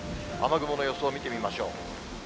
雨雲の予想を見てみましょう。